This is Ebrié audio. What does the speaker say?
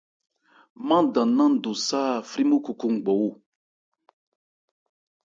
Mándan 'nán ndu sâ frímúkhokhongbɔ.